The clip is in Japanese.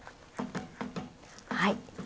はい。